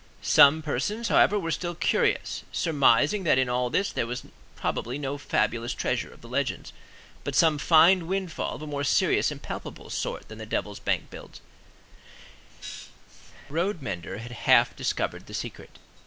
Some persons, however, were still curious, surmising that in all this there was probably no fabulous treasure of the legends, but some fine windfall of a more serious and palpable sort than the devil's bank bills, and that the road mender had half discovered the secret.